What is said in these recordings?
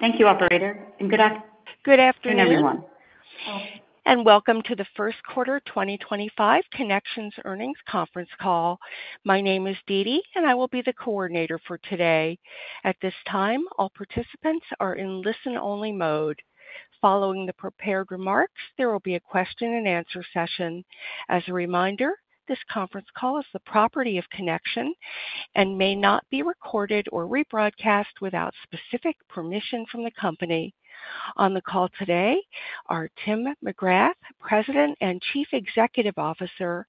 Thank you, Operator. Good afternoon. Good afternoon, everyone. Welcome to the first quarter 2025 Connection earnings conference call. My name is Dee Dee, and I will be the coordinator for today. At this time, all participants are in listen-only mode. Following the prepared remarks, there will be a question-and-answer session. As a reminder, this conference call is the property of Connection and may not be recorded or rebroadcast without specific permission from the company. On the call today are Tim McGrath, President and Chief Executive Officer,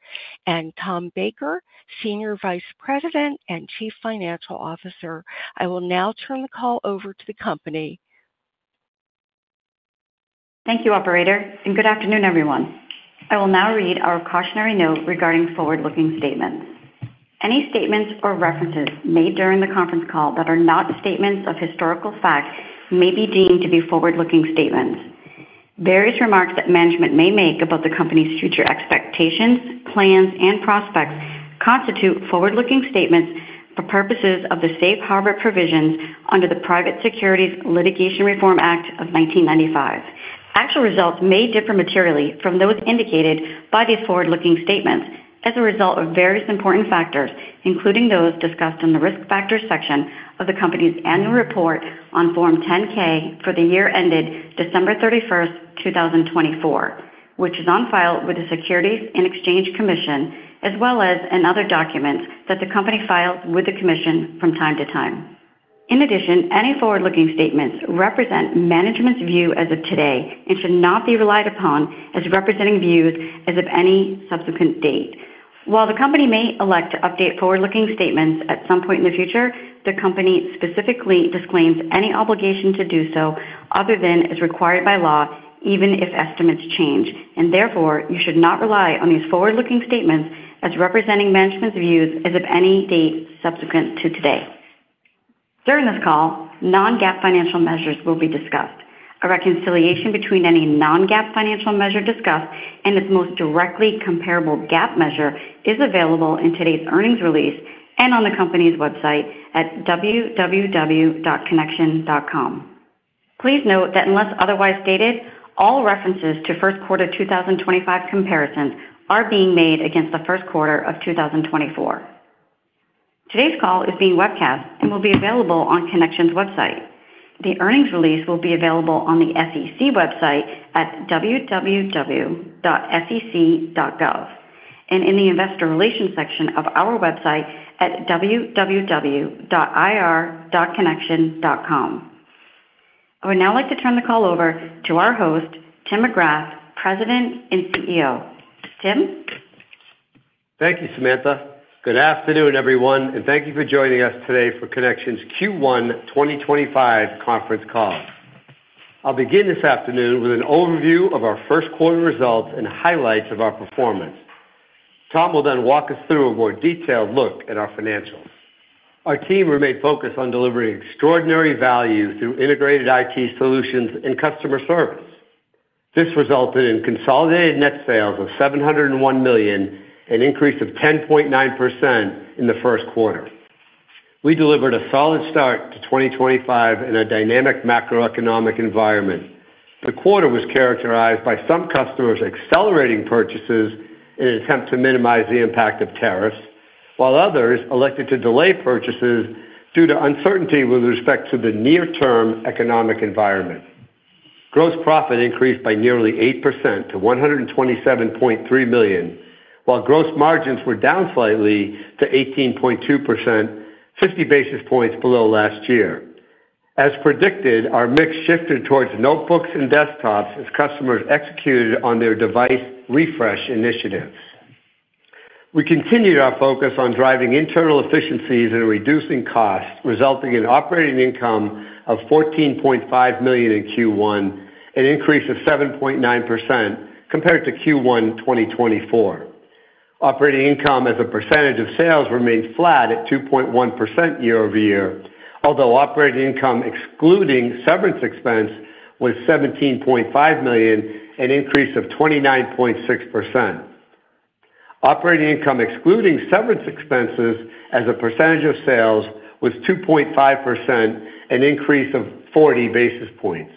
and Tom Baker, Senior Vice President and Chief Financial Officer. I will now turn the call over to the company. Thank you, Operator. Good afternoon, everyone. I will now read our cautionary note regarding forward-looking statements. Any statements or references made during the conference call that are not statements of historical fact may be deemed to be forward-looking statements. Various remarks that management may make about the company's future expectations, plans, and prospects constitute forward-looking statements for purposes of the safe harbor provisions under the Private Securities Litigation Reform Act of 1995. Actual results may differ materially from those indicated by these forward-looking statements as a result of various important factors, including those discussed in the risk factor section of the company's annual report on Form 10-K for the year ended December 31st, 2024, which is on file with the Securities and Exchange Commission, as well as in other documents that the company files with the Commission from time to time. In addition, any forward-looking statements represent management's view as of today and should not be relied upon as representing views as of any subsequent date. While the company may elect to update forward-looking statements at some point in the future, the company specifically disclaims any obligation to do so other than as required by law, even if estimates change. Therefore, you should not rely on these forward-looking statements as representing management's views as of any date subsequent to today. During this call, non-GAAP financial measures will be discussed. A reconciliation between any non-GAAP financial measure discussed and its most directly comparable GAAP measure is available in today's earnings release and on the company's website at www.connection.com. Please note that unless otherwise stated, all references to first quarter 2025 comparisons are being made against the first quarter of 2024. Today's call is being webcast and will be available on Connection's website. The earnings release will be available on the SEC website at www.sec.gov and in the investor relations section of our website at www.ir.connection.com. I would now like to turn the call over to our host, Tim McGrath, President and CEO. Tim. Thank you, Samantha. Good afternoon, everyone, and thank you for joining us today for Connection's Q1 2025 conference call. I'll begin this afternoon with an overview of our first quarter results and highlights of our performance. Tom will then walk us through a more detailed look at our financials. Our team remained focused on delivering extraordinary value through integrated IT solutions and customer service. This resulted in consolidated net sales of $701 million, an increase of 10.9% in the first quarter. We delivered a solid start to 2025 in a dynamic macroeconomic environment. The quarter was characterized by some customers accelerating purchases in an attempt to minimize the impact of tariffs, while others elected to delay purchases due to uncertainty with respect to the near-term economic environment. Gross profit increased by nearly 8% to $127.3 million, while gross margins were down slightly to 18.2%, 50 basis points below last year. As predicted, our mix shifted towards notebooks and desktops as customers executed on their device refresh initiatives. We continued our focus on driving internal efficiencies and reducing costs, resulting in operating income of $14.5 million in Q1, an increase of 7.9% compared to Q1 2024. Operating income as a percentage of sales remained flat at 2.1% year-over-year, although operating income excluding severance expense was $17.5 million, an increase of 29.6%. Operating income excluding severance expenses as a percentage of sales was 2.5%, an increase of 40 basis points.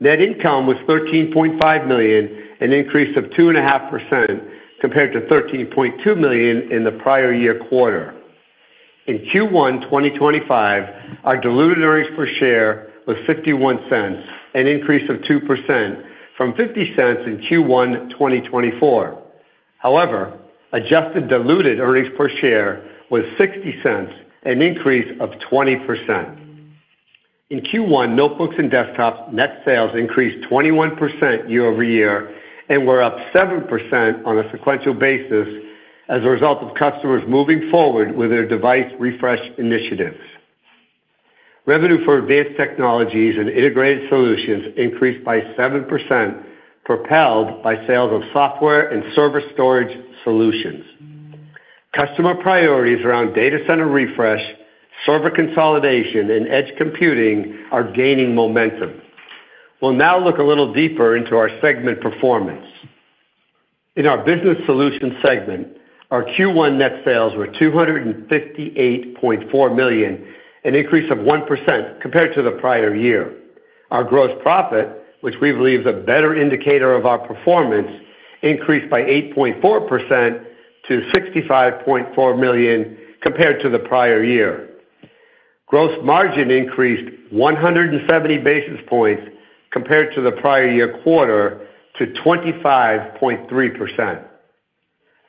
Net income was $13.5 million, an increase of 2.5% compared to $13.2 million in the prior year quarter. In Q1 2025, our diluted earnings per share was $0.51, an increase of 2% from $0.50 in Q1 2024. However, adjusted diluted earnings per share was $0.60, an increase of 20%. In Q1, notebooks and desktops net sales increased 21% year-over-year and were up 7% on a sequential basis as a result of customers moving forward with their device refresh initiatives. Revenue for advanced technologies and integrated solutions increased by 7%, propelled by sales of software and server storage solutions. Customer priorities around data center refresh, server consolidation, and edge computing are gaining momentum. We'll now look a little deeper into our segment performance. In our Business Solutions segment, our Q1 net sales were $258.4 million, an increase of 1% compared to the prior year. Our gross profit, which we believe is a better indicator of our performance, increased by 8.4% to $65.4 million compared to the prior year. Gross margin increased 170 basis points compared to the prior year quarter to 25.3%.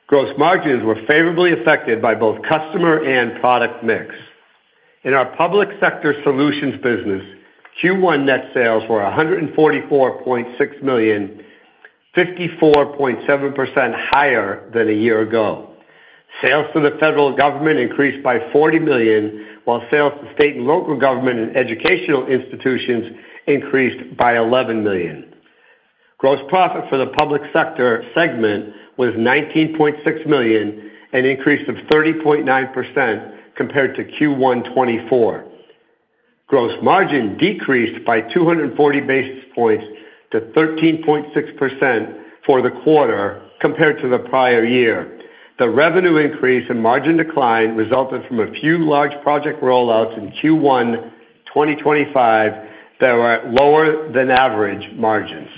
Gross margins were favorably affected by both customer and product mix. In our Public Sector Solutions business, Q1 net sales were $144.6 million, 54.7% higher than a year ago. Sales to the federal government increased by $40 million, while sales to state and local government and educational institutions increased by $11 million. Gross profit for the public sector segment was $19.6 million, an increase of 30.9% compared to Q1 2024. Gross margin decreased by 240 basis points to 13.6% for the quarter compared to the prior year. The revenue increase and margin decline resulted from a few large project rollouts in Q1 2025 that were at lower-than-average margins.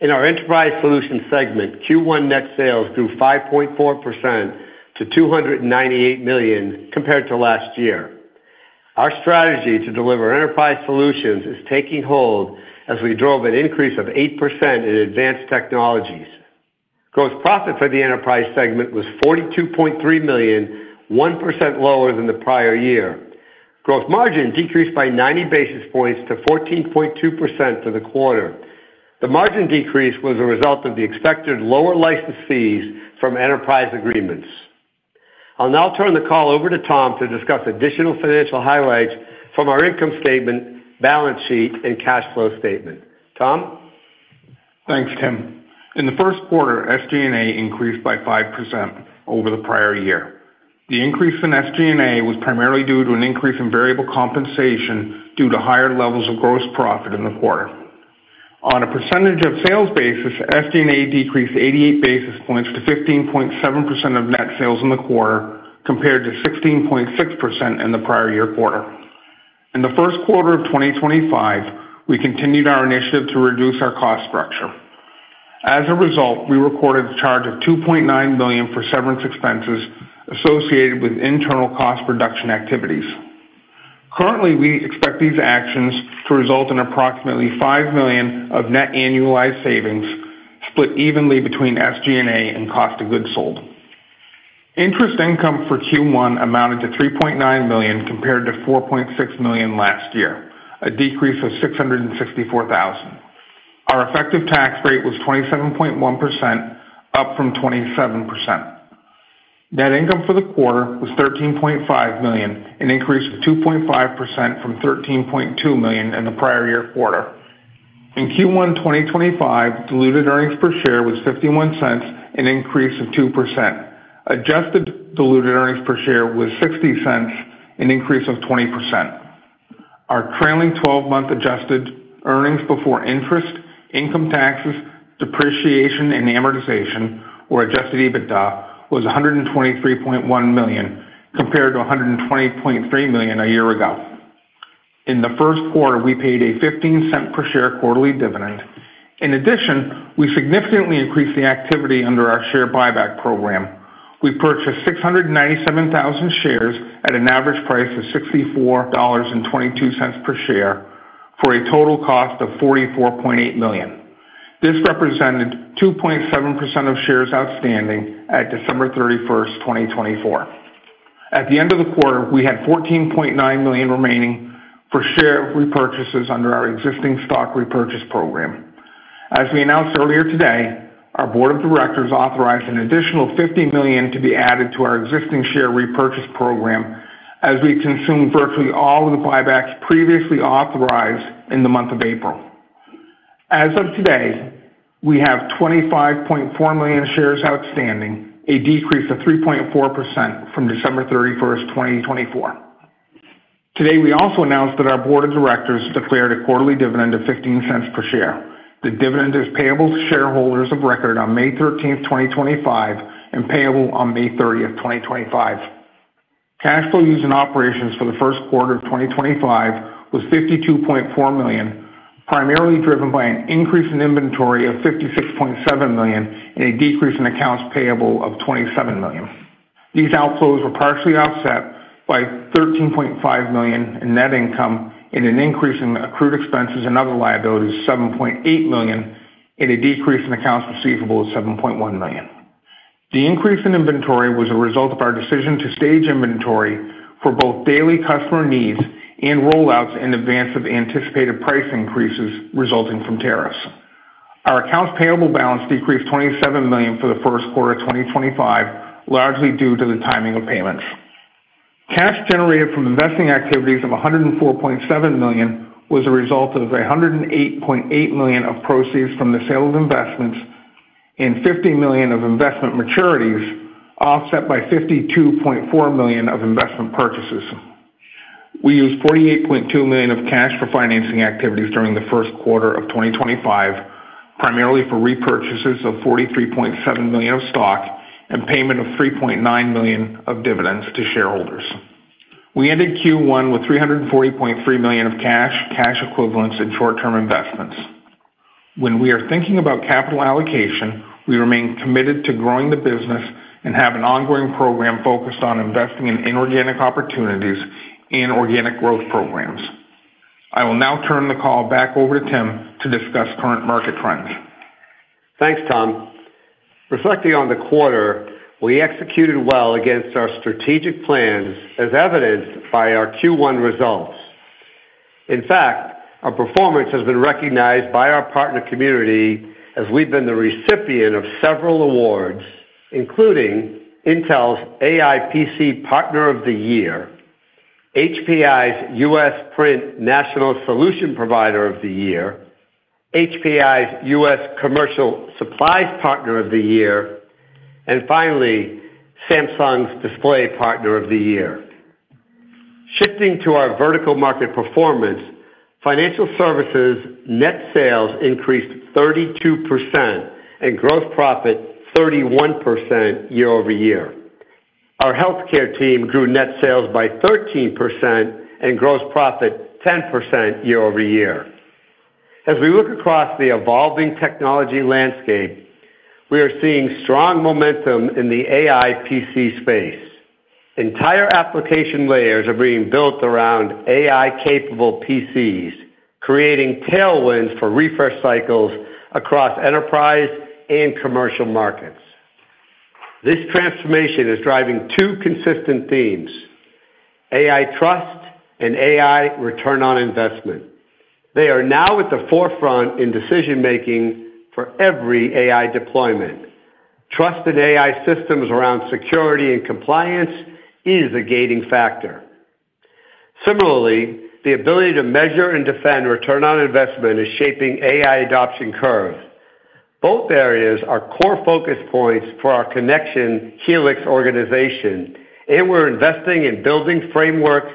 In our Enterprise Solutions segment, Q1 net sales grew 5.4% to $298 million compared to last year. Our strategy to deliver enterprise solutions is taking hold as we drove an increase of 8% in advanced technologies. Gross profit for the enterprise segment was $42.3 million, 1% lower than the prior year. Gross margin decreased by 90 basis points to 14.2% for the quarter. The margin decrease was a result of the expected lower license fees from enterprise agreements. I'll now turn the call over to Tom to discuss additional financial highlights from our income statement, balance sheet, and cash flow statement. Tom? Thanks, Tim. In the first quarter, SG&A increased by 5% over the prior year. The increase in SG&A was primarily due to an increase in variable compensation due to higher levels of gross profit in the quarter. On a percentage of sales basis, SG&A decreased 88 basis points to 15.7% of net sales in the quarter compared to 16.6% in the prior year quarter. In the first quarter of 2025, we continued our initiative to reduce our cost structure. As a result, we recorded a charge of $2.9 million for severance expenses associated with internal cost reduction activities. Currently, we expect these actions to result in approximately $5 million of net annualized savings split evenly between SG&A and cost of goods sold. Interest income for Q1 amounted to $3.9 million compared to $4.6 million last year, a decrease of $664,000. Our effective tax rate was 27.1%, up from 27%. Net income for the quarter was $13.5 million, an increase of 2.5% from $13.2 million in the prior year quarter. In Q1 2025, diluted earnings per share was $0.51, an increase of 2%. Adjusted diluted earnings per share was $0.60, an increase of 20%. Our trailing 12-month adjusted earnings before interest, income taxes, depreciation, and amortization, or adjusted EBITDA, was $123.1 million compared to $120.3 million a year ago. In the first quarter, we paid a $0.15 per share quarterly dividend. In addition, we significantly increased the activity under our share buyback program. We purchased 697,000 shares at an average price of $64.22 per share for a total cost of $44.8 million. This represented 2.7% of shares outstanding at December 31st, 2024. At the end of the quarter, we had $14.9 million remaining for share repurchases under our existing stock repurchase program. As we announced earlier today, our board of directors authorized an additional $50 million to be added to our existing share repurchase program as we consumed virtually all of the buybacks previously authorized in the month of April. As of today, we have 25.4 million shares outstanding, a decrease of 3.4% from December 31st, 2024. Today, we also announced that our board of directors declared a quarterly dividend of $0.15 per share. The dividend is payable to shareholders of record on May 13th, 2025, and payable on May 30th, 2025. Cash flow using operations for the first quarter of 2025 was $52.4 million, primarily driven by an increase in inventory of $56.7 million and a decrease in accounts payable of $27 million. These outflows were partially offset by $13.5 million in net income and an increase in accrued expenses and other liabilities of $7.8 million and a decrease in accounts receivable of $7.1 million. The increase in inventory was a result of our decision to stage inventory for both daily customer needs and rollouts in advance of anticipated price increases resulting from tariffs. Our accounts payable balance decreased $27 million for the first quarter of 2025, largely due to the timing of payments. Cash generated from investing activities of $104.7 million was a result of $108.8 million of proceeds from the sale of investments and $50 million of investment maturities, offset by $52.4 million of investment purchases. We used $48.2 million of cash for financing activities during the first quarter of 2025, primarily for repurchases of $43.7 million of stock and payment of $3.9 million of dividends to shareholders. We ended Q1 with $340.3 million of cash, cash equivalents, and short-term investments. When we are thinking about capital allocation, we remain committed to growing the business and have an ongoing program focused on investing in inorganic opportunities and organic growth programs. I will now turn the call back over to Tim to discuss current market trends. Thanks, Tom. Reflecting on the quarter, we executed well against our strategic plans as evidenced by our Q1 results. In fact, our performance has been recognized by our partner community as we've been the recipient of several awards, including Intel's AI PC Partner of the Year, HP Inc's U.S. Print National Solution Provider of the Year, HP Inc's U.S. Commercial Supplies Partner of the Year, and finally, Samsung's Display Partner of the Year. Shifting to our vertical market performance, financial services net sales increased 32% and gross profit 31% year-over-year. Our healthcare team grew net sales by 13% and gross profit 10% year-over-year. As we look across the evolving technology landscape, we are seeing strong momentum in the AI PC space. Entire application layers are being built around AI-capable PCs, creating tailwinds for refresh cycles across enterprise and commercial markets. This transformation is driving two consistent themes: AI trust and AI return on investment. They are now at the forefront in decision-making for every AI deployment. Trust in AI systems around security and compliance is a gating factor. Similarly, the ability to measure and defend return on investment is shaping AI adoption curves. Both areas are core focus points for our Connection Helix organization, and we're investing in building frameworks,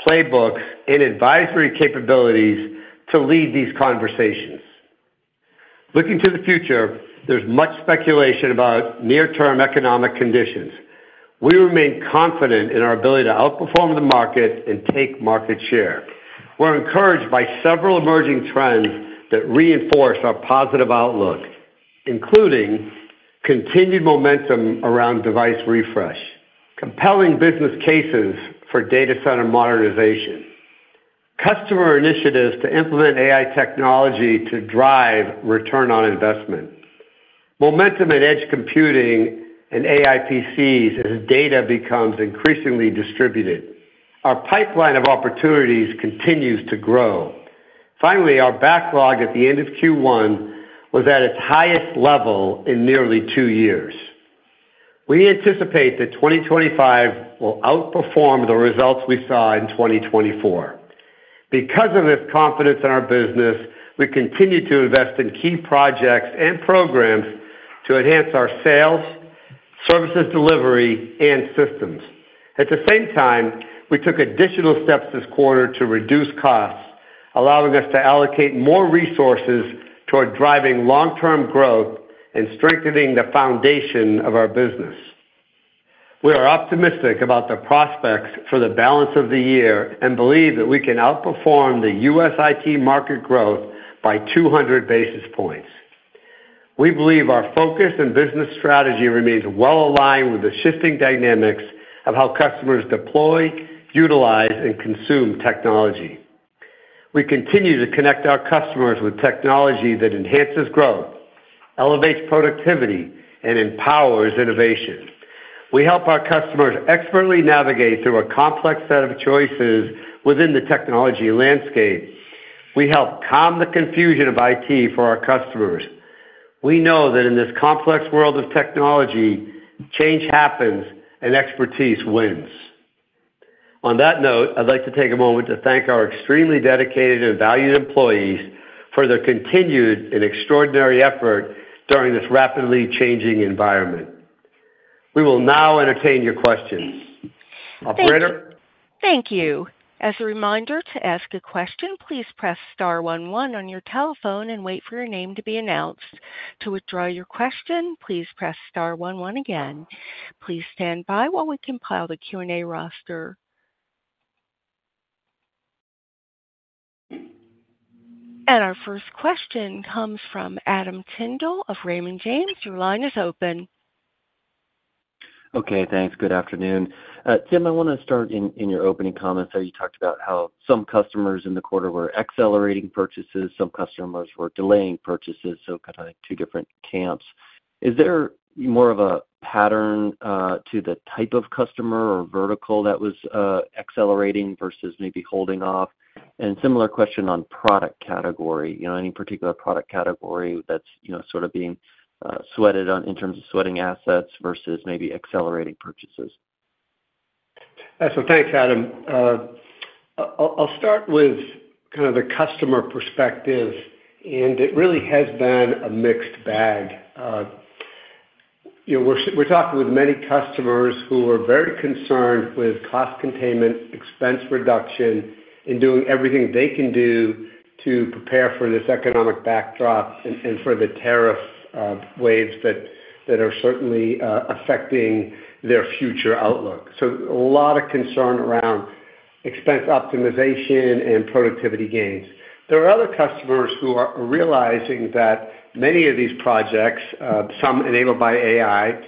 playbooks, and advisory capabilities to lead these conversations. Looking to the future, there's much speculation about near-term economic conditions. We remain confident in our ability to outperform the market and take market share. We're encouraged by several emerging trends that reinforce our positive outlook, including continued momentum around device refresh, compelling business cases for data center modernization, customer initiatives to implement AI technology to drive return on investment, momentum in edge computing and AI PCs as data becomes increasingly distributed. Our pipeline of opportunities continues to grow. Finally, our backlog at the end of Q1 was at its highest level in nearly two years. We anticipate that 2025 will outperform the results we saw in 2024. Because of this confidence in our business, we continue to invest in key projects and programs to enhance our sales, services delivery, and systems. At the same time, we took additional steps this quarter to reduce costs, allowing us to allocate more resources toward driving long-term growth and strengthening the foundation of our business. We are optimistic about the prospects for the balance of the year and believe that we can outperform the U.S. IT market growth by 200 basis points. We believe our focus and business strategy remains well aligned with the shifting dynamics of how customers deploy, utilize, and consume technology. We continue to connect our customers with technology that enhances growth, elevates productivity, and empowers innovation. We help our customers expertly navigate through a complex set of choices within the technology landscape. We help calm the confusion of IT for our customers. We know that in this complex world of technology, change happens and expertise wins. On that note, I'd like to take a moment to thank our extremely dedicated and valued employees for their continued and extraordinary effort during this rapidly changing environment. We will now entertain your questions. Thank you. As a reminder, to ask a question, please press star one one on your telephone and wait for your name to be announced. To withdraw your question, please press star one one again. Please stand by while we compile the Q&A roster. Our first question comes from Adam Tindall of Raymond James. Your line is open. Okay, thanks. Good afternoon. Tim, I want to start in your opening comments. You talked about how some customers in the quarter were accelerating purchases, some customers were delaying purchases, so kind of like two different camps. Is there more of a pattern to the type of customer or vertical that was accelerating versus maybe holding off? A similar question on product category. Any particular product category that's sort of being sweated in terms of sweating assets versus maybe accelerating purchases? Thanks, Adam. I'll start with kind of the customer perspective, and it really has been a mixed bag. We're talking with many customers who are very concerned with cost containment, expense reduction, and doing everything they can do to prepare for this economic backdrop and for the tariff waves that are certainly affecting their future outlook. A lot of concern around expense optimization and productivity gains. There are other customers who are realizing that many of these projects, some enabled by AI, are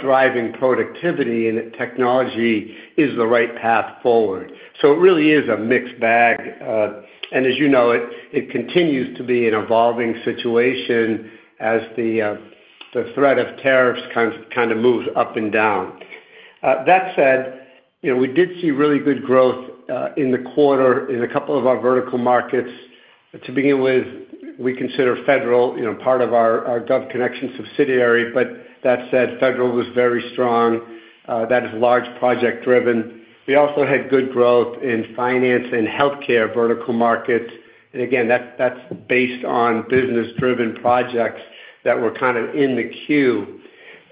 driving productivity and that technology is the right path forward. It really is a mixed bag. As you know, it continues to be an evolving situation as the threat of tariffs kind of moves up and down. That said, we did see really good growth in the quarter in a couple of our vertical markets. To begin with, we consider federal part of our GovConnection subsidiary, but that said, Federal was very strong. That is large project-driven. We also had good growth in finance and healthcare vertical markets. Again, that's based on business-driven projects that were kind of in the queue.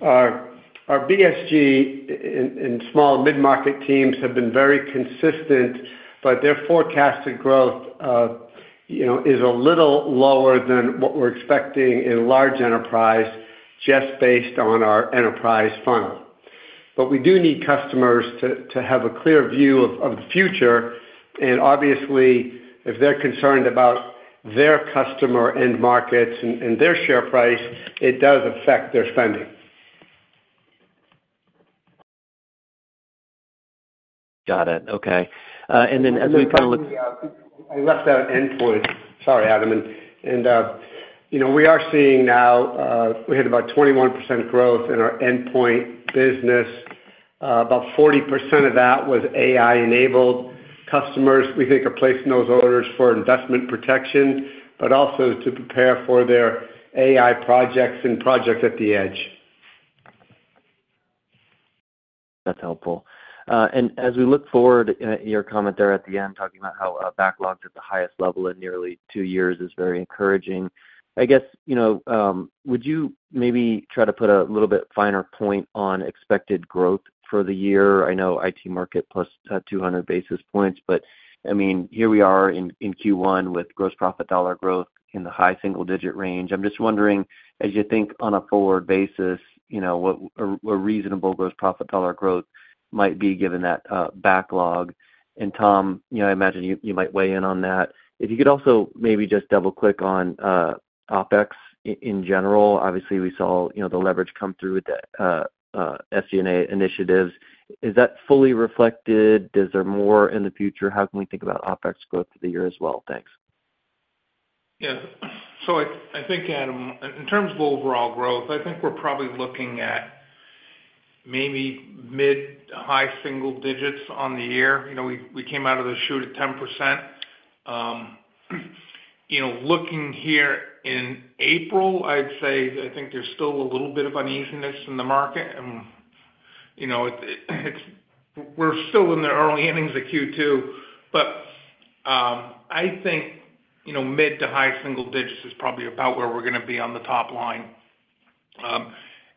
Our BSG and small and mid-market teams have been very consistent, but their forecasted growth is a little lower than what we're expecting in large enterprise just based on our enterprise funnel. We do need customers to have a clear view of the future. Obviously, if they're concerned about their customer end markets and their share price, it does affect their spending. Got it. Okay. As we kind of look. I left out endpoint. Sorry, Adam. We are seeing now we had about 21% growth in our endpoint business. About 40% of that was AI-enabled. Customers, we think, are placing those orders for investment protection, but also to prepare for their AI projects and projects at the edge. That's helpful. As we look forward, your comment there at the end, talking about how backlogged at the highest level in nearly two years is very encouraging. I guess, would you maybe try to put a little bit finer point on expected growth for the year? I know IT market plus 200 basis points, but I mean, here we are in Q1 with gross profit dollar growth in the high single-digit range. I'm just wondering, as you think on a forward basis, what a reasonable gross profit dollar growth might be given that backlog. Tom, I imagine you might weigh in on that. If you could also maybe just double-click on OPEX in general. Obviously, we saw the leverage come through with the SG&A initiatives. Is that fully reflected? Is there more in the future? How can we think about OPEX growth for the year as well? Thanks. Yeah. I think, Adam, in terms of overall growth, I think we're probably looking at maybe mid to high single digits on the year. We came out of the shoot at 10%. Looking here in April, I'd say I think there's still a little bit of uneasiness in the market. We're still in the early innings of Q2, but I think mid to high single digits is probably about where we're going to be on the top line.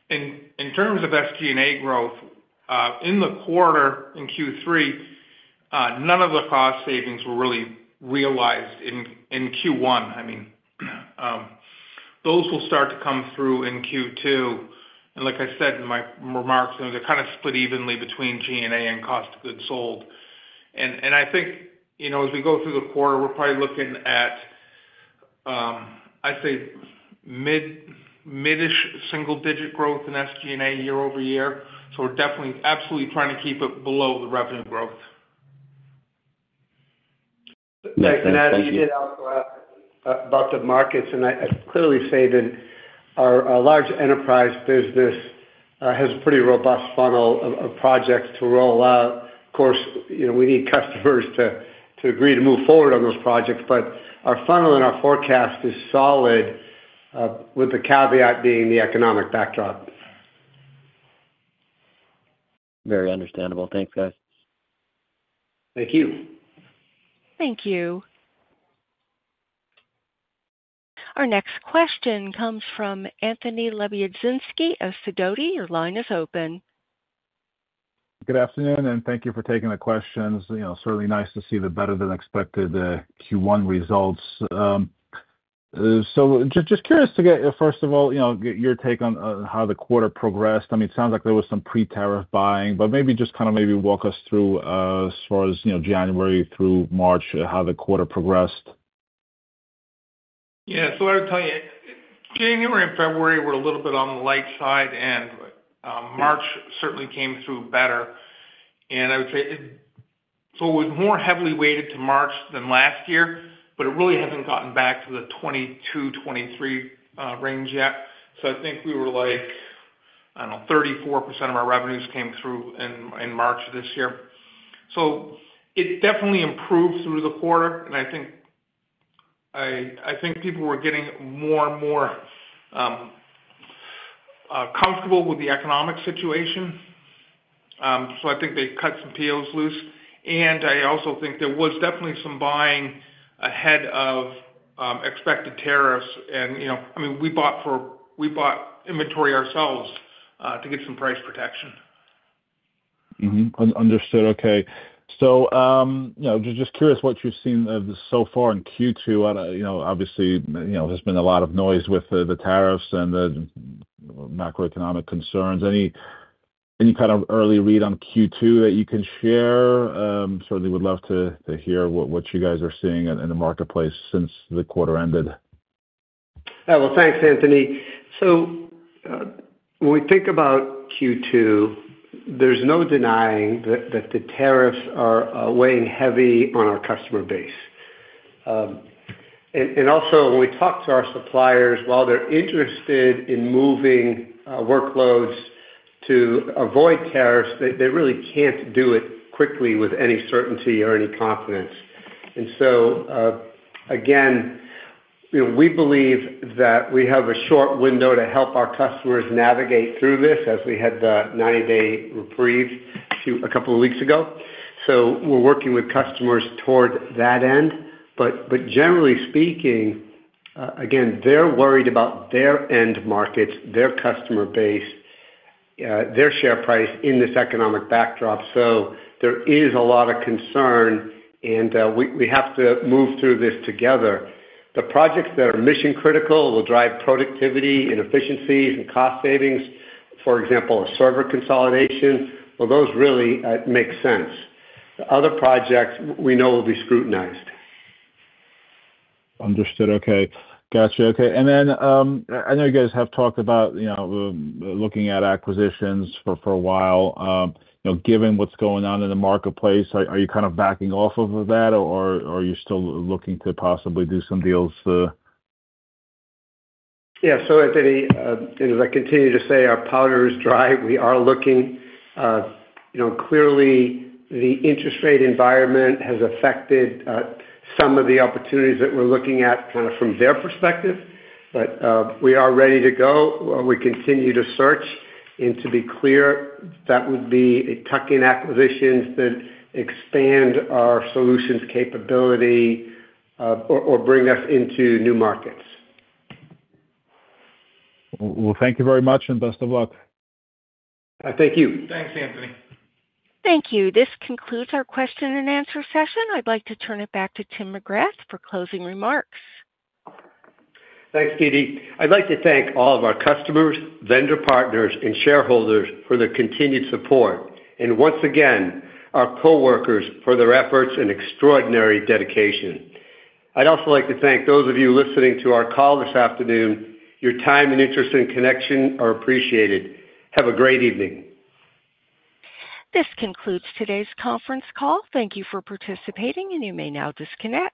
In terms of SG&A growth, in the quarter in Q3, none of the cost savings were really realized in Q1. I mean, those will start to come through in Q2. Like I said in my remarks, they're kind of split evenly between G&A and cost of goods sold. I think as we go through the quarter, we're probably looking at, I'd say, mid-ish single-digit growth in SG&A year-over-year. We're definitely absolutely trying to keep it below the revenue growth. Thanks. As you did ask about the markets, and I clearly stated our large enterprise business has a pretty robust funnel of projects to roll out. Of course, we need customers to agree to move forward on those projects, but our funnel and our forecast is solid with the caveat being the economic backdrop. Very understandable. Thanks, guys. Thank you. Thank you. Our next question comes from Anthony Lebiedzinski of Sidoti. Your line is open. Good afternoon, and thank you for taking the questions. Certainly nice to see the better-than-expected Q1 results. Just curious to get, first of all, your take on how the quarter progressed. I mean, it sounds like there was some pre-tariff buying, but maybe just kind of maybe walk us through as far as January through March, how the quarter progressed. Yeah. I would tell you January and February were a little bit on the light side, and March certainly came through better. I would say it was more heavily weighted to March than last year, but it really hasn't gotten back to the 2022,2023 range yet. I think we were, like, I don't know, 34% of our revenues came through in March of this year. It definitely improved through the quarter, and I think people were getting more and more comfortable with the economic situation. I think they cut some POs loose. I also think there was definitely some buying ahead of expected tariffs. I mean, we bought inventory ourselves to get some price protection. Understood. Okay. Just curious what you've seen so far in Q2. Obviously, there's been a lot of noise with the tariffs and the macroeconomic concerns. Any kind of early read on Q2 that you can share? Certainly would love to hear what you guys are seeing in the marketplace since the quarter ended. Yeah. Thanks, Anthony. When we think about Q2, there's no denying that the tariffs are weighing heavy on our customer base. Also, when we talk to our suppliers, while they're interested in moving workloads to avoid tariffs, they really can't do it quickly with any certainty or any confidence. Again, we believe that we have a short window to help our customers navigate through this as we had the 90-day reprieve a couple of weeks ago. We're working with customers toward that end. Generally speaking, they're worried about their end markets, their customer base, their share price in this economic backdrop. There is a lot of concern, and we have to move through this together. The projects that are mission-critical will drive productivity and efficiencies and cost savings, for example, server consolidation. Those really make sense. The other projects we know will be scrutinized. Understood. Okay. Gotcha. Okay. I know you guys have talked about looking at acquisitions for a while. Given what's going on in the marketplace, are you kind of backing off of that, or are you still looking to possibly do some deals? Yeah. Anthony, as I continue to say, our powder is dry. We are looking. Clearly, the interest rate environment has affected some of the opportunities that we're looking at kind of from their perspective. We are ready to go. We continue to search. To be clear, that would be tuck-in acquisitions that expand our solutions capability or bring us into new markets. Thank you very much and best of luck. Thank you. Thanks, Anthony. Thank you. This concludes our question and answer session. I'd like to turn it back to Tim McGrath for closing remarks. Thanks, PD. I'd like to thank all of our customers, vendor partners, and shareholders for their continued support. Once again, our coworkers for their efforts and extraordinary dedication. I'd also like to thank those of you listening to our call this afternoon. Your time and interest and connection are appreciated. Have a great evening. This concludes today's conference call. Thank you for participating, and you may now disconnect.